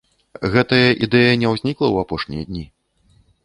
Гэтая ідэя не ўзнікла ў апошнія дні.